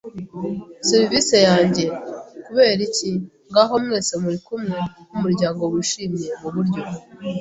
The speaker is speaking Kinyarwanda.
serivisi yanjye. Kuberiki, ngaho mwese muri kumwe nkumuryango wishimye, muburyo